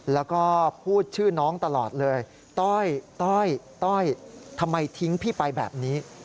แล้วก็พูดชื่อน้องตลอดเลยต้อยต้อยต้อยทำไมทิ้งพี่ไปแบบนี้